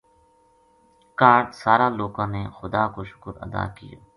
کاہڈ سارا لوکاں نے خدا کو شُکر ادا کیو